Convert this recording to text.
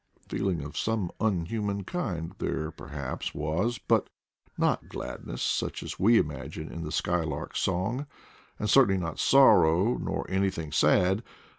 Feeling of some un human kind there perhaps was, but not glad ness, such as we imagine in the skylark's song, and 'certainly not sorrow, nor anything sad.